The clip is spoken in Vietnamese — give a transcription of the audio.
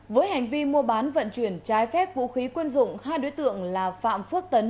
với hành vi mua bán vận chuyển trái phép vũ khí quân dụng hai đối tượng là phạm phước tấn